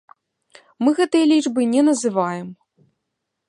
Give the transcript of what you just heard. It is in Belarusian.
Мы гэтыя лічбы не называем.